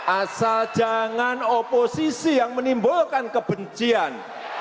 asal jangan oposisi yang menimbulkan kebencian